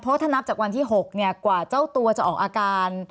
เพราะถ้านับจากวันที่๖กว่าเจ้าตัวจะออกอาการ